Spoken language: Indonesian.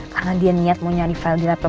karena dia niat mau nyari file di laptop gue